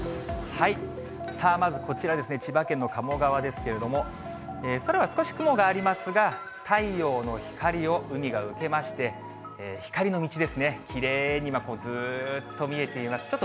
さあ、まずこちらですね、千葉県の鴨川ですけれども、空は少し雲がありますが、太陽の光を海が受けまして、光の道ですね、きれいにずっと見えています。